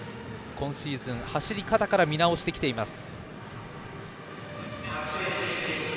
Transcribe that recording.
今シーズン、走り方から見直してきています。